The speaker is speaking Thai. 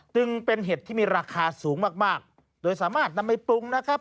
จึงเป็นเห็ดที่มีราคาสูงมากมากโดยสามารถนำไปปรุงนะครับ